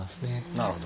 なるほど。